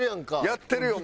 やってるよ